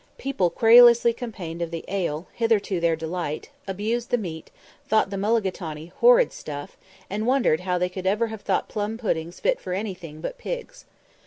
People querulously complained of the ale, hitherto their delight; abused the meat; thought the mulligatawny "horrid stuff;" and wondered how they could ever have thought plum puddings fit for anything but pigs.